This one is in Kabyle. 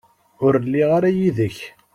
Ur lliɣ ara yid-k.